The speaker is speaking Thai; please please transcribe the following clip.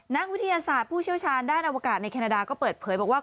นักวิทยาศาสตร์ผู้เชี่ยวชาญด้านอวกาศในแคนาดาก็เปิดเผยบอกว่า